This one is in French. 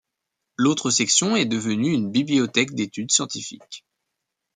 L’autre section est devenue une bibliothèque d’études scientifique.